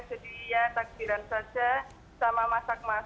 jadi takdiran saja sama masak masak